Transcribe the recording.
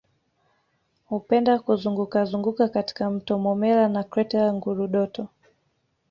Hupenda kuzungukazunguka katika mto Momella na Kreta ya Ngurudoto